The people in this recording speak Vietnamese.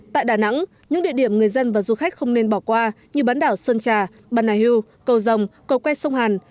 tại đà nẵng những địa điểm người dân và du khách không nên bỏ qua như bán đảo sơn trà bà nà hưu cầu rồng cầu quay sông hàn